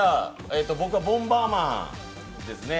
僕は「ボンバーマン」ですね。